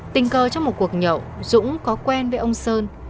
tình cờ trong một cuộc nhậu dũng có quen với ông sơn